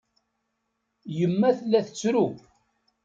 Yemma tella tettru.